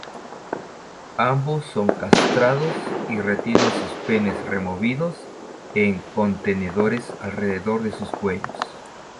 Ambos son castrados y retienen sus penes removidos en contenedores alrededor de sus cuellos.